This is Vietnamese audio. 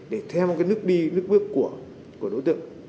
để thêm một cái nước đi nước bước của đối tượng